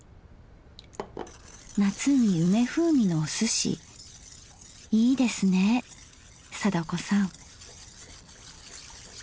夏に梅風味のおすしいいですね貞子さん。